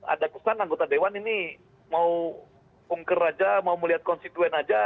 ada kesan anggota dewan ini mau ungker aja mau melihat konstituen aja